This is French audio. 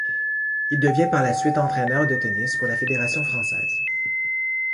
Il devient par la suite entraîneur de tennis pour la Fédération Française.